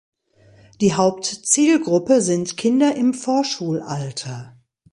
Die Hauptzielgruppe sind Kinder im Vorschulalter.